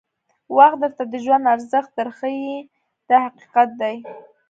وخت درته د ژوند ارزښت در ښایي دا حقیقت دی.